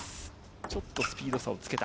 ちょっとスピード差をつけた。